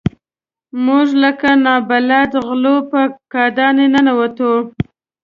موږ لکه نابلده غلو په کادان ننوتو.